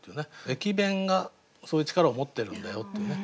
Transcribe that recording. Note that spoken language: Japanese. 駅弁がそういう力を持ってるんだよっていうね